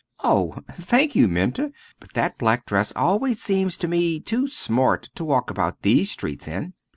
"Oh, thank you, Minta; but that black dress always seems to me too smart to walk about these streets in."